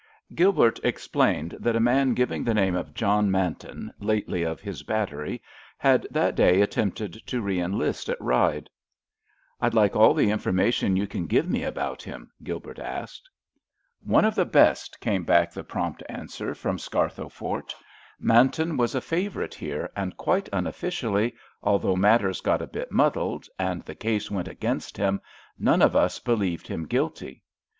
Gilbert explained that a man giving the name of John Manton, lately of his battery, had that day attempted to re enlist at Ryde. "I'd like all the information you can give me about him," Gilbert asked. "One of the best," came back the prompt answer from Scarthoe Fort. "Manton was a favourite here, and quite unofficially, although matters got a bit muddled, and the case went against him, none of us believed him guilty.